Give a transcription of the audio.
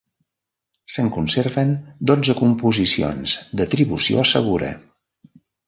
Se'n conserven dotze composicions d'atribució segura.